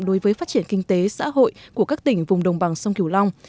đối với phát triển kinh tế xã hội của các tỉnh vùng đồng bằng sông kiều long